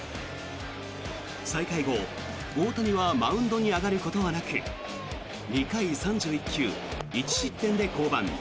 再開後、大谷はマウンドに上がることはなく２回３１球１失点で降板。